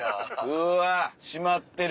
うわ閉まってる！